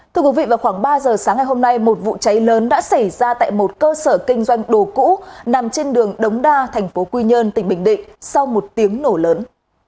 thưa quý vị vào khoảng ba giờ sáng ngày hôm nay một vụ cháy lớn đã xảy ra tại một cơ sở kinh doanh đồ cũ nằm trên đường đống đa thành phố quy nhơn tỉnh bình định sau một tiếng nổ lớn